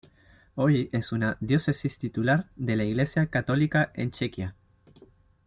Hoy es una diócesis titular de la Iglesia Católica en Chequia.